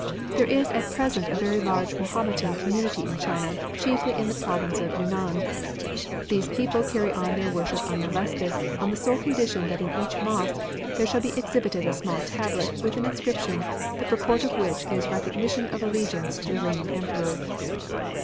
There is at present a very large Mahometan community in China, chiefly in the province of Yiinnan. These people carry on their worship unmolested, on the sole condition that in each mosque there shall be exhibited a small tablet with an inscription, the purport of which is recognition of allegiance to the reigning Emperor.